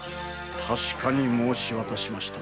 確かに申し渡しましたぞ。